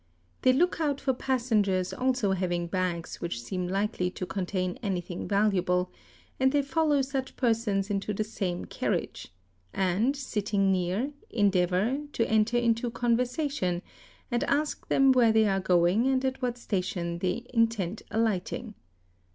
They — look out for passengers also having bags which seem likely to contain — anything valuable, and they follow such persons into the same carriage, and, sitting near, endeavour, to enter into conversation, and ask them where they are going and at what station they intend alighting.